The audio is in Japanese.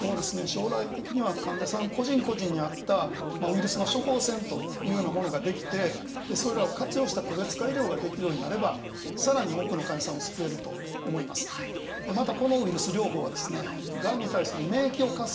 将来的には患者さん個人個人に合ったウイルスの処方箋というようなものができてそれらを活用ができるようになればさらに多くの患者さんを救えると思います。